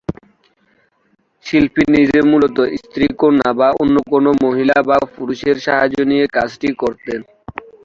শিল্পী নিজে মূলত স্ত্রী-কন্যা বা অন্য কোনো মহিলা বা পুরুষের সাহায্য নিয়ে কাজটি করতেন।